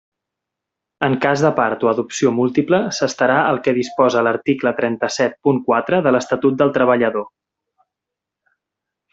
En cas de part o adopció múltiple s'estarà al que disposa l'article trenta-set punt quatre de l'Estatut del Treballador.